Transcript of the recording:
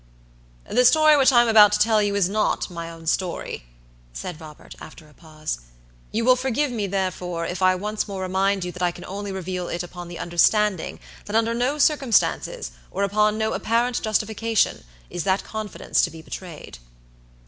"The story which I am about to tell you is not my own story," said Robert, after a pause; "you will forgive me, therefore, if I once more remind you that I can only reveal it upon the understanding that under no circumstances, or upon no apparent justification, is that confidence to be betrayed."